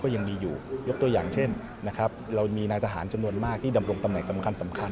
ก็ยังมีอยู่ยกตัวอย่างเช่นเรามีนานทหารมากที่ดำรงตำแหน่งสำคัญ